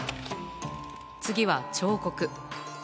次は彫刻。